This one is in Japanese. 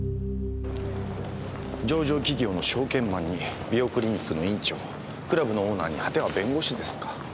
上場企業の証券マンに美容クリニックの院長クラブのオーナーに果ては弁護士ですか。